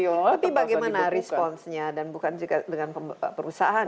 tapi bagaimana responsnya dan bukan juga dengan perusahaan